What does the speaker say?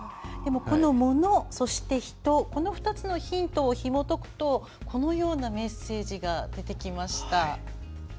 物、人、２つのヒントをひもとくとこのようなメッセージが出てきました。